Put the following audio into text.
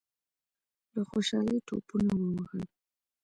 له خوشالۍ ټوپونه ووهل.